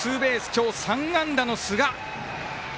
今日３安打の寿賀。